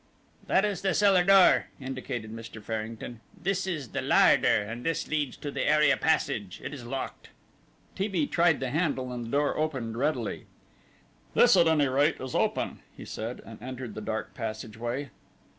"That is the cellar door," indicated Mr. Farrington, "this the larder, and this leads to the area passage. It is locked." T. B. tried the handle, and the door opened readily. "This at any rate is open," he said, and entered the dark passageway.